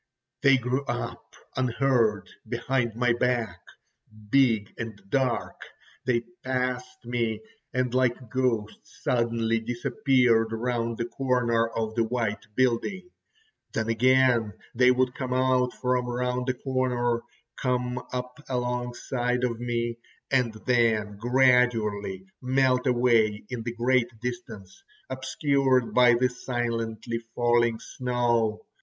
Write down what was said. They grew up unheard behind my back, big and dark; they passed me, and like ghosts suddenly disappeared round the corner of the white building. Then again they would come out from round the corner, come up alongside of me and then gradually melt away in the great distance, obscured by the silently falling snow.